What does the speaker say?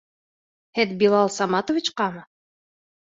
Һеҙ Билал Саматовичҡамы?